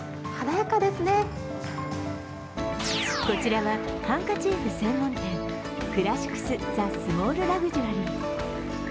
こちらはハンカチーフ専門店クラシクス・ザ・スモールラグジュアリ。